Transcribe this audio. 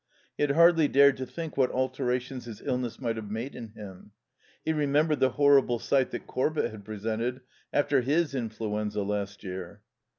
He had hardly dared to think what alterations his illness might have made in him. He remembered the horrible sight that Corbett had presented after his influenza last year.